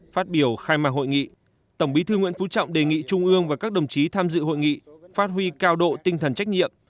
phát biểu khai mạc hội nghị tổng bí thư nguyễn phú trọng đề nghị trung ương và các đồng chí tham dự hội nghị phát huy cao độ tinh thần trách nhiệm